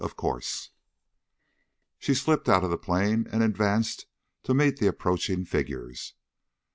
Of course." She slipped out of the plane and advanced to meet the approaching figures.